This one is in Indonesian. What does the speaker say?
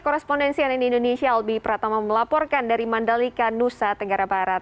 korrespondensi yang di indonesia albi pratama melaporkan dari mandalika nusa tenggara barat